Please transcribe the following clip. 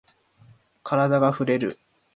カラダがふれる。